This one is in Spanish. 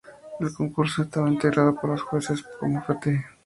El concurso estaba integrada por los jueces como Pt.